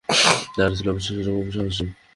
তারা ছিল অবিশ্বাস্য রকম সাহসী।